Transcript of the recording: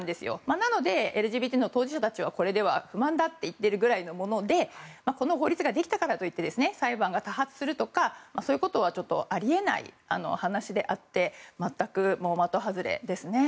なので、ＬＧＢＴの当事者たちはこれでは不満だって言ってるぐらいのものでこの法律ができたからといって裁判が多発するとかそういうことはあり得ない話であって全く的外れですね。